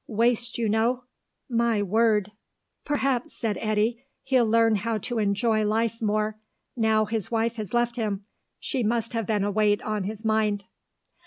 Waste, you know! My word!" "Perhaps," said Eddy, "he'll learn how to enjoy life more now his wife has left him. She must have been a weight on his mind."